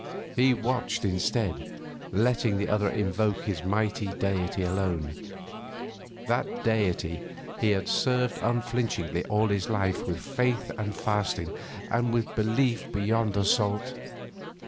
He watched instead, letting the other invoke his mighty Deity alone, that Deity he had served unflinchingly all his life with faith and fasting, and with belief beyond assault.